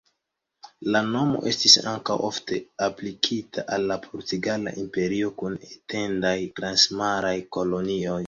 La nomo estis ankaŭ ofte aplikita al la Portugala Imperio, kun etendaj transmaraj kolonioj.